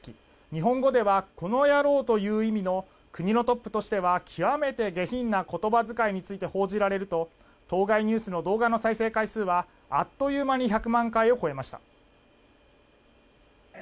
日本語では「この野郎」という意味の国のトップとしては極めて下品な言葉遣いについて報じられると当該ニュースの動画の再生回数はあっという間に１００万回を超えました。